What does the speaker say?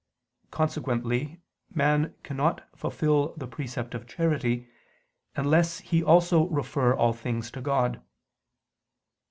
Consequently man cannot fulfil the precept of charity, unless he also refer all things to God.